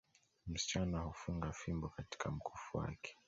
Msichana hufunga fimbo katika mkufu wake